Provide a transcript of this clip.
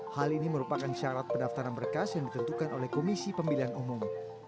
hal ini merupakan syarat pendaftaran berkas yang ditentukan oleh komisi pemilihan umum